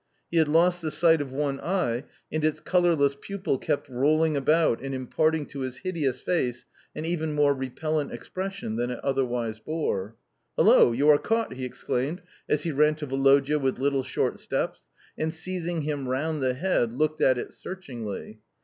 He had lost the sight of one eye, and its colourless pupil kept rolling about and imparting to his hideous face an even more repellent expression than it otherwise bore. "Hullo, you are caught!" he exclaimed as he ran to Woloda with little short steps and, seizing him round the head, looked at it searchingly.